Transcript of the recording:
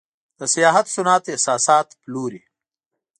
د سیاحت صنعت احساسات پلوري.